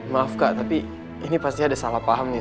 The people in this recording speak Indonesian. maaf kak tapi ini pasti ada salah paham nih